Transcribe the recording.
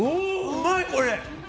うまい、これ。